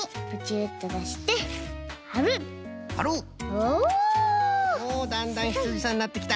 おだんだんヒツジさんになってきた。